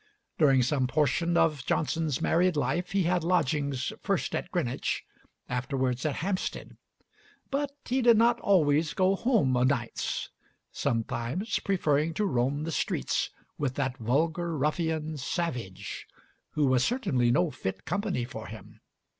During some portion of Johnson's married life he had lodgings, first at Greenwich, afterwards at Hampstead. But he did not always go home o' nights; sometimes preferring to roam the streets with that vulgar ruffian Savage, who was certainly no fit company for him.